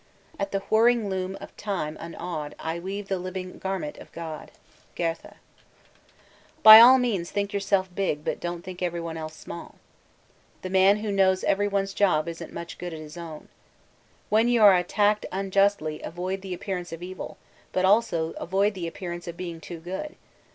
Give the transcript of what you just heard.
'At the whirring loom of time unawed I weave the living garment of God.' GOETHE. By all means think yourself big but don't think everyone else small! The man who knows everyone's job isn't much good at his own. 'When you are attacked unjustly avoid the appearance of evil, but avoid also the appearance of being too good!'